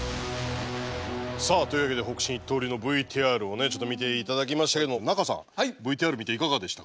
さあというわけで北辰一刀流のＶＴＲをちょっと見て頂きましたけど中さんＶＴＲ見ていかがでした？